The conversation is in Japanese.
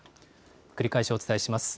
繰り返しお伝えします。